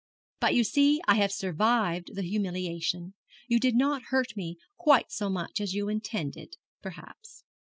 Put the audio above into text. But you see I have survived the humiliation. You did not hurt me quite so much as you intended, perhaps.'